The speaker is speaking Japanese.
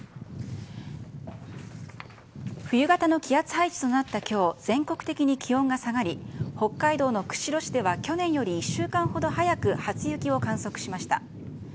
冬型の気圧配置となったきょう、全国的に気温が下がり、北海道の釧路市では去年より１週間ほど早く初雪を観測しました。